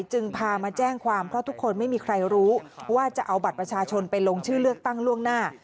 จึงพามาแจ้งความเพราะทุกคนไม่มีใครรู้ว่าจะเอาบัตรประชาชนไปลงชื่อเลือกตั้งล่วงหน้า